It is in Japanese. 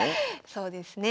そうですね。